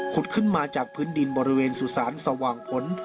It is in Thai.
ขึ้นมาจากพื้นดินบริเวณสุสานสว่างผล